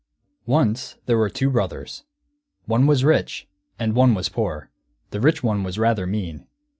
] Once there were two brothers. One was rich, and one was poor; the rich one was rather mean.